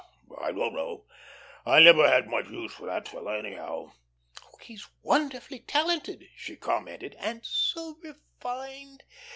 I don't know. I never had much use for that fellow, anyhow." "He's wonderfully talented," she commented, "and so refined.